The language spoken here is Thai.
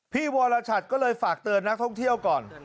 พี่วรชัดก็เลยฝากเตือนนักท่องเที่ยวก่อน